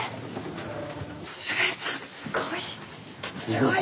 すごい。